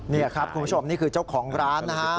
นี่ครับคุณผู้ชมนี่คือเจ้าของร้านนะฮะ